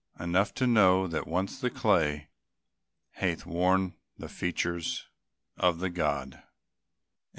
Enough, to know that once the clay Hath worn the features of the God.